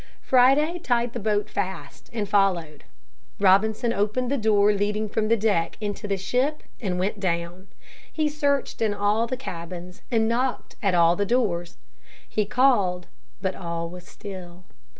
Friday tied the boat fast, and followed. Robinson opened the door leading from the deck into the ship and went down. He searched in all the cabins, and knocked at all the doors. He called, but all was still.